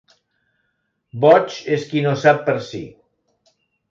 Boig és qui no sap per a si.